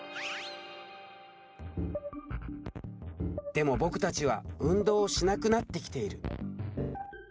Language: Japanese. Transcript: でも僕たちは運動をしなくなってきている。